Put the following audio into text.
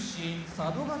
佐渡ヶ嶽